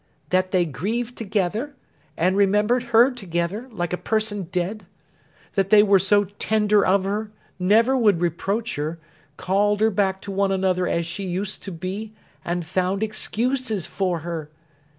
That they grieved together, and remembered her together, like a person dead; that they were so tender of her, never would reproach her, called her back to one another as she used to be, and found excuses for her!